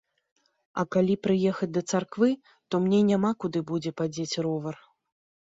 А калі прыехаць да царквы, то мне няма куды будзе падзець ровар.